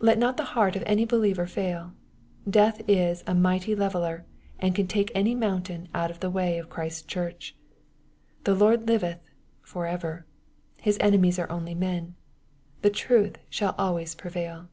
Let not the heart of any believer fail Death is a mighty leveller, and can take any mountain out of the way of Christ's church. " The Lord liveth" for ever. His enemies are only men. The truth shall always prevail.